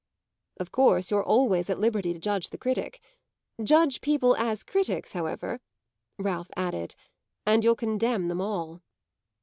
"Of course you're always at liberty to judge the critic. Judge people as critics, however," Ralph added, "and you'll condemn them all!"